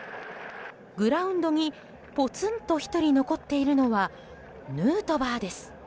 グラウンドにポツンと１人残っているのはヌートバーです。